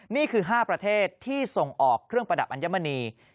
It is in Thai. นี่คือ๕ประเทศที่ส่งออกเครื่องประดับอัญมณี